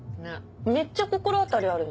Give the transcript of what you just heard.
めっちゃ心当たりあるもん。